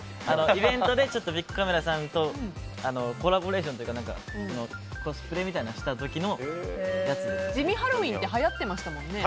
イベントでちょっとビックカメラさんとコラボレーションというかコスプレみたいなのを地味ハロウィーンってはやりましたもんね。